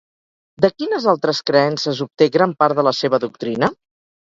De quines altres creences obté gran part de la seva doctrina?